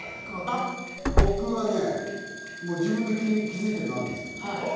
僕はね、自分で気づいてんのあるんですよ。